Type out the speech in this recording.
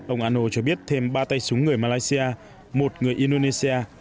ông ano cho biết thêm ba tay súng người malaysia một người indonesia